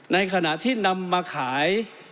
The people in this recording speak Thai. ในขณะที่นำมาขาย